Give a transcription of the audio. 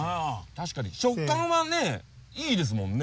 確かに食感はねいいですもんね。